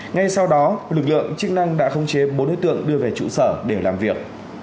ngay sau đó lực lượng chức năng đã khống chế bốn đối tượng đưa về trụ sở để làm việc